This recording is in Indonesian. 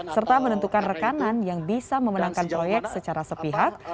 serta menentukan rekanan yang bisa memenangkan proyek secara sepihak